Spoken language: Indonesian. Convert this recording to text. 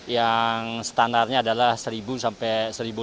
yang standarnya adalah satu sampai satu lima ratus